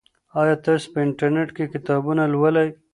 آیا تاسو په انټرنیټ کې کتابونه لولئ؟